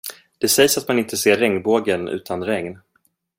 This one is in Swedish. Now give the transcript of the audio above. Det sägs att man inte ser regnbågen utan regn.